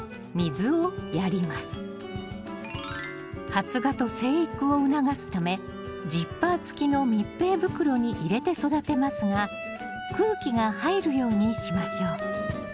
発芽と生育を促すためジッパー付きの密閉袋に入れて育てますが空気が入るようにしましょう。